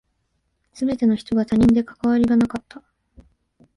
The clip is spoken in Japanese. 全ての人が他人で関わりがなかった。